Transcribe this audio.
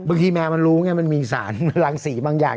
แมวมันรู้ไงมันมีสารรังสีบางอย่าง